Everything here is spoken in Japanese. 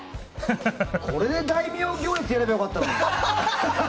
これで大名行列やればよかったのに。